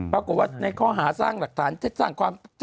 เป็นการนำเรื่องพิชาต่อสังคมอีกนึงนะเป็นการนำเรื่องพิชาต่อสังคมอีกนึงนะ